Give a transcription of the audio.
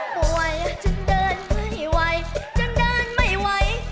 ป่วยจนเดินไม่ไหวจนเดินไม่ไหว